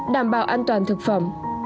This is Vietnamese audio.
đảm bảo an toàn thực phẩm